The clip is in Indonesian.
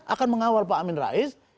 akan mengawal pak amin rais